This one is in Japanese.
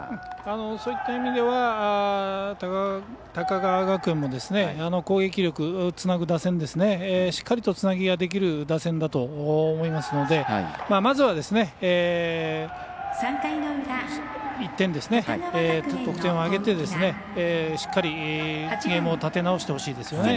そういった意味では高川学園も攻撃力、つなぐ打線しっかりとつなぎができる打線だと思いますのでまずは１点、得点を挙げてしっかりゲームを立て直してほしいですね。